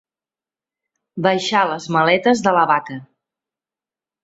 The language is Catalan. Baixar les maletes de la baca.